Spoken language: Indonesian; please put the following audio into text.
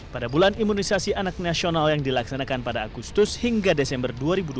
pada bulan imunisasi anak nasional yang dilaksanakan pada agustus hingga desember dua ribu dua puluh